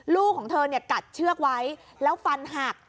ลูกของเธอกัดเชือกไว้แล้วฟันหัก